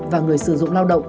và người sử dụng lao động